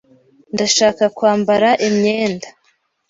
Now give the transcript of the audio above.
Ndashaka kwambara imyenda.